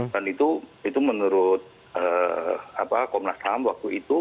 dan itu menurut komnas ham waktu itu